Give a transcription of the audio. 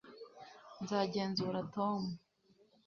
Nzagenzura Tom